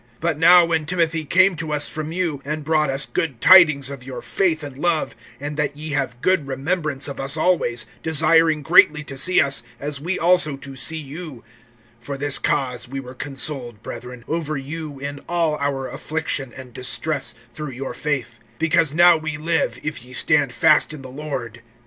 (6)But now, when Timothy came to us from you, and brought us good tidings of your faith and love, and that ye have good remembrance of us always, desiring greatly to see us, as we also to see you; (7)for this cause we were consoled, brethren, over you in all our affliction and distress, through your faith; (8)because now we live, if ye stand fast in the Lord.